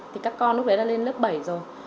thì các con lúc đấy đã lên lớp bảy rồi